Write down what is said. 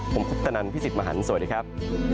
ผมพุทธนันทร์พี่สิทธิ์มหันทร์สวัสดีครับ